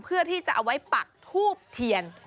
เพื่อที่จะเอาไว้ปักทูบเทียน